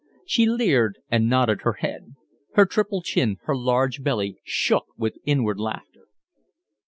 She leered and nodded her head. Her triple chin, her large belly, shook with inward laughter.